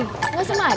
bagaimana dengan adit